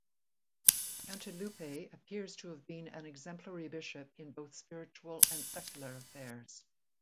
Cantilupe appears to have been an exemplary bishop in both spiritual and secular affairs.